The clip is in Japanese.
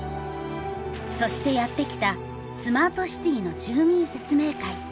そしてやって来たスマートシティの住民説明会。